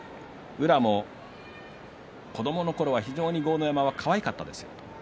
宇良も子どものころは非常に豪ノ山はかわいかったですよ。